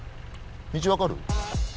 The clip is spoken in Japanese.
道分かる？